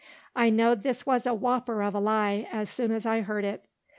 I know'd this was a whapper of a lie, as soon as I heard it.